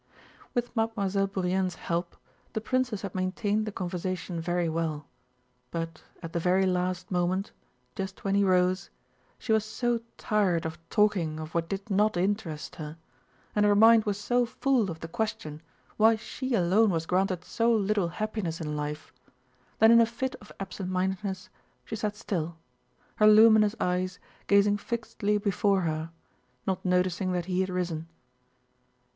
With Mademoiselle Bourienne's help the princess had maintained the conversation very well, but at the very last moment, just when he rose, she was so tired of talking of what did not interest her, and her mind was so full of the question why she alone was granted so little happiness in life, that in a fit of absent mindedness she sat still, her luminous eyes gazing fixedly before her, not noticing that he had risen.